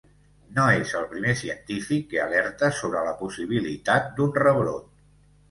No és el primer científic que alerta sobre la possibilitat d’un rebrot.